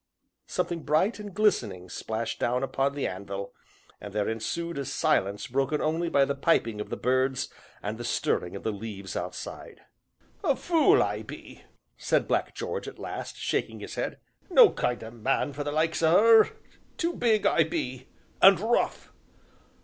Something bright and glistening splashed down upon the anvil, and there ensued a silence broken only by the piping of the birds and the stirring of the leaves outside. "A fule I be!" said Black George at last, shaking his head, "no kind o' man for the likes o' her; too big I be and rough.